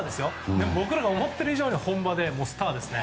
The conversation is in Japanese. でも、僕らが思っている以上に本場でスターですね。